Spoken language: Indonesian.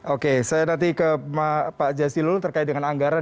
oke saya nanti ke pak jasilul terkait dengan anggaran